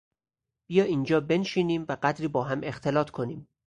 بیا اینجا بنشینیم و قدری با هم اختلاط کنیم.